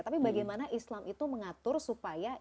tapi bagaimana islam itu mengatur supaya